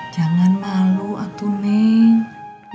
jangan malu atuh neng